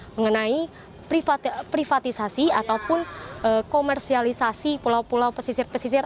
mengenai privatisasi ataupun komersialisasi pulau pulau pesisir pesisir